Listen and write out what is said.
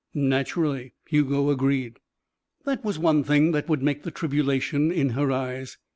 "Naturally," Hugo agreed. That was one thing that would make the tribulation in her eyes.